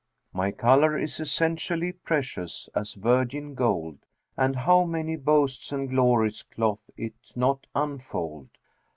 My colour is essentially precious as virgin gold, and how many boasts and glories cloth it not unfold!